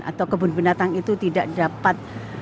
atau kebun binatang itu tidak dapat